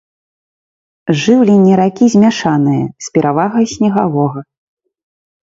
Жыўленне ракі змяшанае, з перавагай снегавога.